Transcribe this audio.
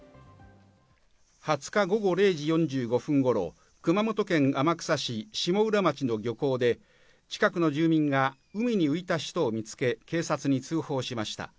２０日午後０時４５分ごろ、熊本県天草市下浦町の漁港で近くの住民が海に浮いた人を見つけ、警察に通報しました。